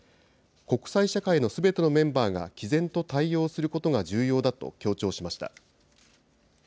国際社会のすべてのメンバーがきぜんと対応することが重要だと強調しました。